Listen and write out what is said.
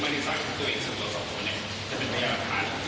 จะเป็นภัยแหลกทางด้วยการนำตัดการและตรงกลับขึ้นจากงทัน